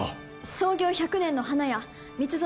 創業１００年の花屋蜜園